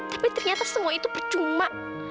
tapi ternyata semua itu percuma